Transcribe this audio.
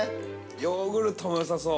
◆ヨーグルトもよさそう。